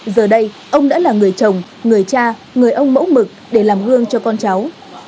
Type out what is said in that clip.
giờ đây ông đã là người chồng người cha người ông mẫu mực để làm gương cho con cháu